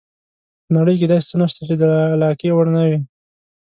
په نړۍ کې داسې څه نشته چې د علاقې وړ نه وي.